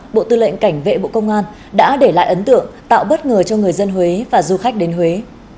bộ tư lệnh cảnh vệ bộ công an đã để lại ấn tượng tạo bất ngờ cho người dân huế và du khách đến huế